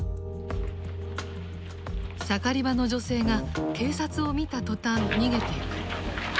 盛り場の女性が警察を見た途端逃げていく。